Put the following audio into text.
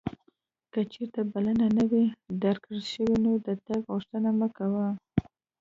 که چیرته بلنه نه وې درکړل شوې نو د تګ غوښتنه مه کوه.